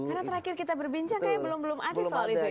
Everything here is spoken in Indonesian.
karena terakhir kita berbincang kayaknya belum ada soal itu ya